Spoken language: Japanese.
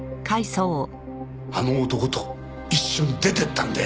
あの男と一緒に出ていったんだよ。